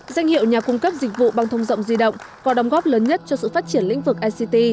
danh hiệu nhà cung cấp dịch vụ băng thông rộng di động có đóng góp lớn nhất cho sự phát triển lĩnh vực ict